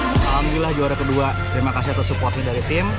alhamdulillah juara kedua terima kasih atas supportnya dari tim